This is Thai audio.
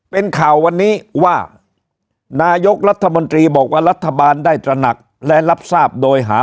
เป็นข่าววันนี้ว่านายกรัฐมนตรีบอกว่ารัฐบาลได้ตระหนักและรับทราบโดยหา